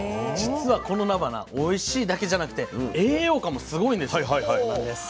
実はこのなばなおいしいだけじゃなくて栄養価もすごいんですよ。